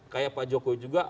kayak pak jokowi juga